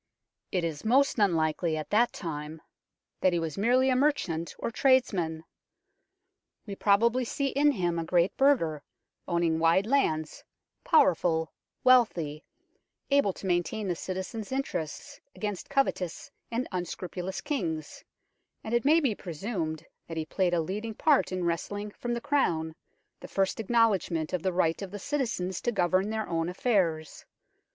It is most unlikely, at that time, that he was merely a merchant or tradesman ; we probably see in him a great burgher, owning wide lands, powerful, wealthy, able to maintain the citizens' interests against covetous and unscrupulous kings, and it may be presumed that he played a leading part in wresting from the Crown the first acknow ledgment of the right of the citizens to govern their own affairs.